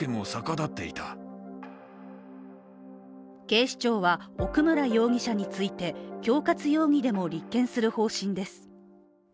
警視庁は奥村容疑者について恐喝容疑でも立件する方針です。